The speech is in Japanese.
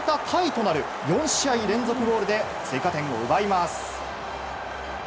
タイとなる４試合連続ゴールで追加点を奪います。